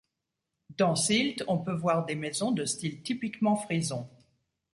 Dans Sylt, on peut voir des maisons de style typiquement frison.